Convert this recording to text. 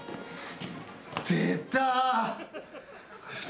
出た。